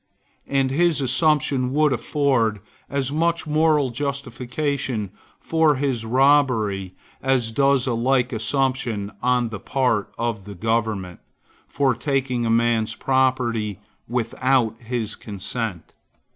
And his assumption would afford as much moral justification for his robbery as does a like assumption, on the part of the government, for taking a man's property without his consent.